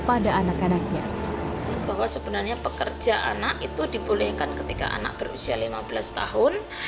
pada anak anaknya bahwa sebenarnya pekerja anak itu dibolehkan ketika anak berusia lima belas tahun